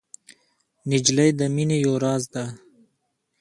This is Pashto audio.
نجلۍ د مینې یو راز ده.